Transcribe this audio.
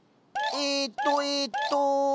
えっとえっと。